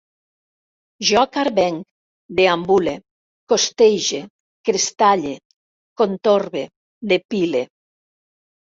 Jo carvenc, deambule, costege, crestalle, contorbe, depile